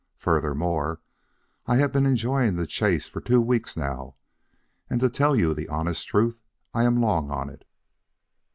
Furthermore, I've been enjoying the chase for two weeks now, and, to tell you the honest truth, I am long on it.